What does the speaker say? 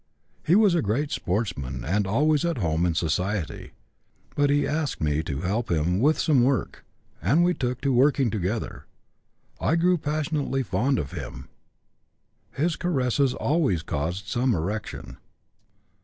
He was a great sportsman and always at home in society. But he asked me to help him with some work, and we took to working together. I grew passionately fond of him. His caresses always caused some erection.